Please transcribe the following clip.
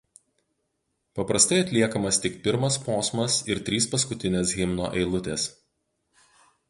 Paprastai atliekamas tik pirmas posmas ir trys paskutinės himno eilutės.